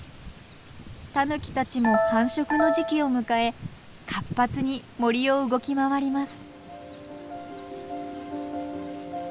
タヌキたちも繁殖の時期を迎え活発に森を動き回ります。